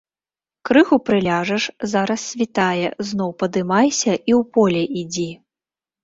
Крыху прыляжаш, зараз світае, зноў падымайся і ў поле ідзі.